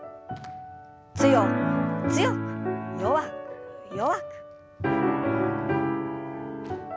強く強く弱く弱く。